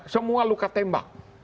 semua luka tembak